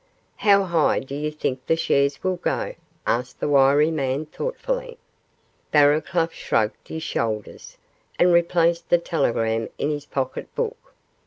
'How high do you think the shares will go?' asked the wiry man, thoughtfully. Barraclough shrugged his shoulders, and replaced the telegram in his pocket book.